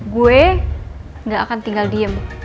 gue gak akan tinggal diem